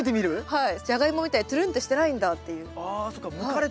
はい。